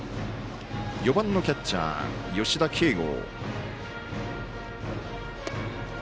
４番、キャッチャー吉田慶剛。